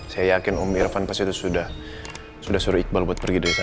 saya yakin om irfan pasti itu sudah suruh iqbal buat pergi dari sana